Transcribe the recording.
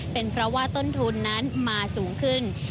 เป็นเพราะว่าต้นทุนนั้นมาสูงขึ้น